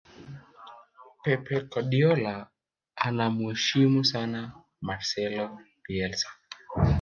pep guardiola anamuheshimu sana marcelo bielsa